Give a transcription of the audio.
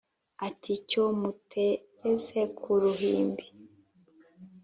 iti « cyo mutereze ku ruhimbi,